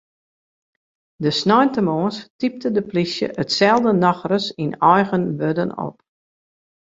De sneintemoarns typte de plysje itselde nochris yn eigen wurden op.